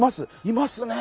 いますね。